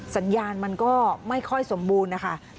สัญญาณมันก็ไม่ค่อยสมบูรณ์นะคะ